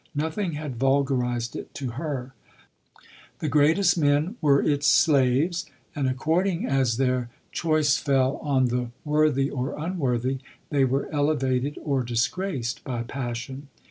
Nothing had vulgarized it to her. The greatest i GO LODORE, were its slaves, and according as their choice fell on the worthy or unworthy, they were ele vated or disgraced by passion.